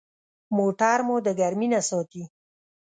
موټر مو د ګرمي نه ساتي.